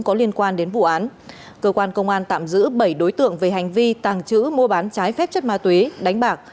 mua bán trái phép chất ma túy đánh bạc